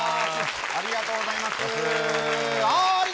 ありがとうございます。